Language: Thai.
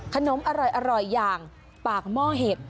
ขนมอร่อยอย่างปากหม้อเห็บ